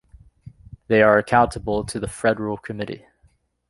They are accountable to the Federal Committee.